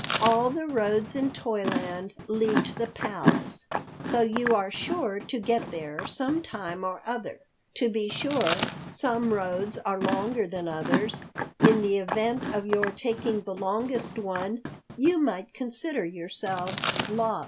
All the roads in Toyland lead to the Palace, so you are sure to get there some time or other. To be sure, some roads are longer than others. In the event of your taking the longest one, you might consider yourselves lost."